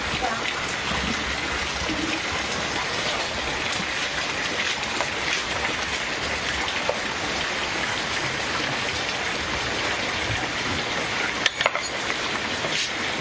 พร้อมทุกสิทธิ์